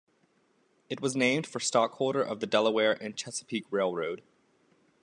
It was named for a stockholder of the Delaware and Chesapeake Railroad.